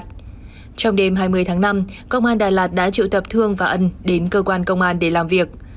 trong đêm hai mươi tháng năm công an đà lạt đã triệu tập thương và ân đến cơ quan công an để làm việc